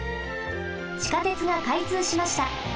地下鉄がかいつうしました。